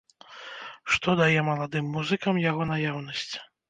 Што дае маладым музыкам яго наяўнасць?